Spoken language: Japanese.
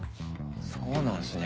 そうなんすね。